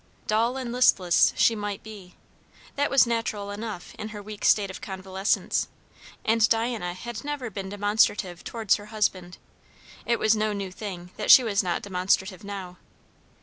Dull and listless she might be; that was natural enough in her weak state of convalescence; and Diana had never been demonstrative towards her husband; it was no new thing that she was not demonstrative now.